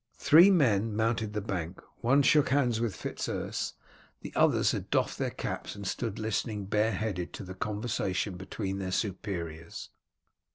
Three men mounted the bank. One shook hands with Fitz Urse, the others had doffed their caps and stood listening bareheaded to the conversation between their superiors.